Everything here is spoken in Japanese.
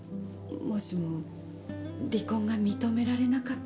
もしも離婚が認められなかったら。